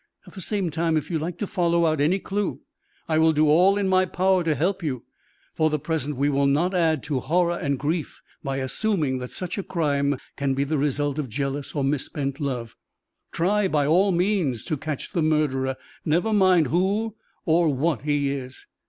At the same time, if you like to follow out any clew, I will do all in my power to help you. For the present we will not add to horror and grief by assuming that such a crime can be the result of jealous or misspent love. Try by all means to catch the murderer never mind who or what he is."